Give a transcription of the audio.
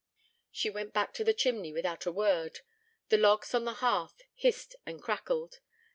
She went back to the chimney corner without a word. The logs on the hearth hissed and crackled.